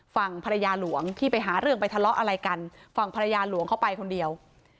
ฝั่งภรรยาหลวงที่ไปหาเรื่องไปทะเลาะอะไรกันฝั่งภรรยาหลวงเขาไปคนเดียว